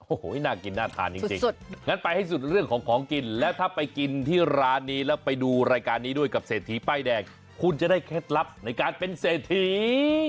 โอ้โหน่ากินน่าทานจริงงั้นไปให้สุดเรื่องของของกินแล้วถ้าไปกินที่ร้านนี้แล้วไปดูรายการนี้ด้วยกับเศรษฐีป้ายแดงคุณจะได้เคล็ดลับในการเป็นเศรษฐี